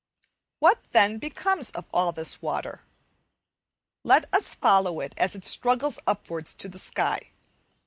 What, then, becomes of all this water? Let us follow it as it struggles upwards to the sky.